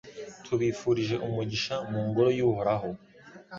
Tubifurije umugisha mu Ngoro y’Uhoraho